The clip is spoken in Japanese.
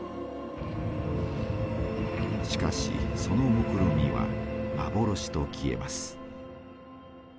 しかしそのもくろみは幻と消えます。